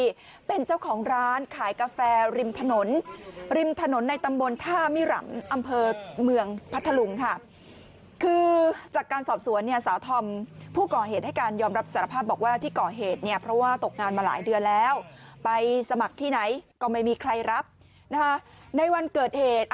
ที่เป็นเจ้าของร้านขายกาแฟริมถนนริมถนนในตำบลท่ามิรำอำเภอเมืองพัทธลุงค่ะคือจากการสอบสวนเนี่ยสาวธอมผู้ก่อเหตุให้การยอมรับสารภาพบอกว่าที่ก่อเหตุเนี่ยเพราะว่าตกงานมาหลายเดือนแล้วไปสมัครที่ไหนก็ไม่มีใครรับนะคะในวันเกิดเหตุ